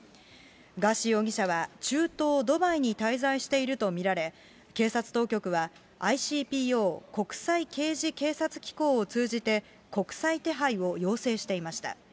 ガーシー容疑者は中東ドバイに滞在していると見られ、警察当局はＩＣＰＯ・国際刑事警察機構を通じて、国際手配を要請していました。